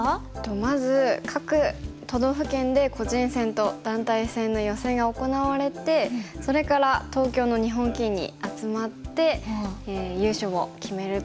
まず各都道府県で個人戦と団体戦の予選が行われてそれから東京の日本棋院に集まって優勝を決めるという大会ですね。